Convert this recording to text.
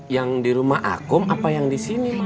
yang di rumah aku apa yang di sini mak